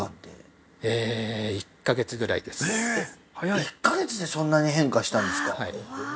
これえ１カ月でそんなに変化したんですか？